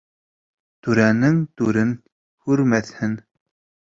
Түрәнең түрен күрмәҫһең